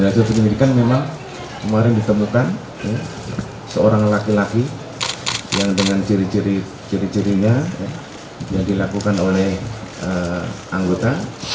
di lajar penyelidikan memang kemarin ditemukan seorang laki laki yang dengan ciri cirinya yang dilakukan oleh anggota